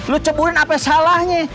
lo ceburin apa salahnya